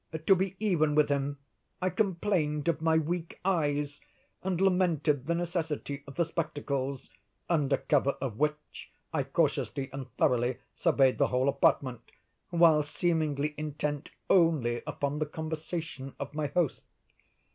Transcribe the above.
"To be even with him, I complained of my weak eyes, and lamented the necessity of the spectacles, under cover of which I cautiously and thoroughly surveyed the whole apartment, while seemingly intent only upon the conversation of my host.